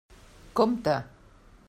Compte!